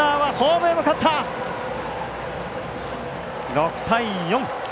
６対４。